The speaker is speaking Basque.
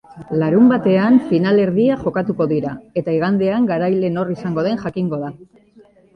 Larunbatean finalerdiak jokatuko dira eta igandean garailea nor izango den jakingo da.